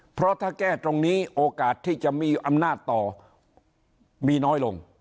เพราะถ้าแก้ตรงนี้โอกาสที่จะมีอำนาจต่อมีน้อยลง